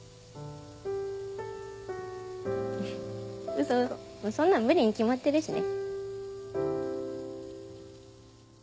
ウソウソそんなの無理に決まってるしね。